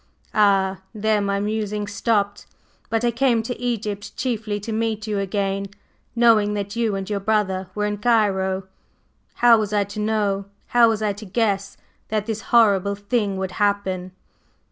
Ah, there my musings stopped. But I came to Egypt chiefly to meet you again, knowing that you and your brother were in Cairo. How was I to know, how was I to guess that this horrible thing would happen?"